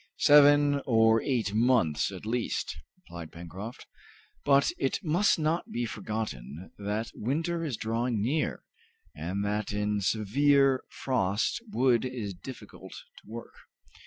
"Seven or eight months at least," replied Pencroft. "But it must not be forgotten that winter is drawing near, and that in severe frost wood is difficult to work.